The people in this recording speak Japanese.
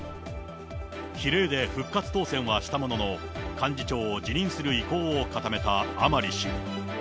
比例で復活当選はしたものの、幹事長を辞任する意向を固めた甘利氏。